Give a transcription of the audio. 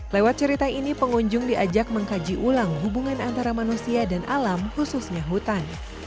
lewat cerita ini pengunjung diajak mengkaji ulang hubungan antara manusia dan alam khususnya hutan